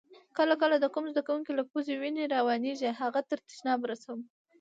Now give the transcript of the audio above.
کله کله د کوم زده کونکي له پوزې وینه روانیږي هغه تر تشناب رسوم.